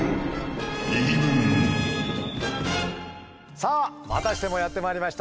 さあまたしてもやってまいりました。